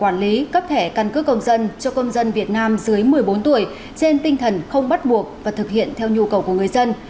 quy định này được quản lý cấp thẻ căn cước công dân cho công dân việt nam dưới một mươi bốn tuổi trên tinh thần không bắt buộc và thực hiện theo nhu cầu của người dân